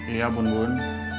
iya bun bun